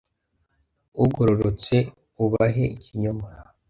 Ugororotse ubahe ikinyoma.